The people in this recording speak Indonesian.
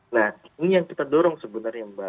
nah ini yang kita dorong sebenarnya mbak